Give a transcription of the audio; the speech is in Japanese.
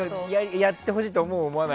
やってほしいと思う？みたいな。